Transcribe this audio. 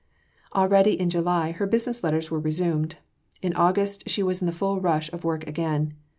Already, in July, her business letters were resumed. In August she was in the full rush of work again.